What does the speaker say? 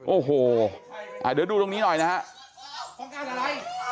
โอ้โหอะเดี๋ยวดูตรงนี้หน่อยนะฮะ